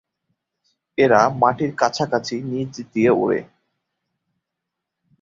এরা মাটির কাছাকাছি নীচ দিয়ে ওড়ে।